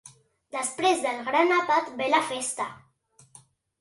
Després del gran àpat ve la festa.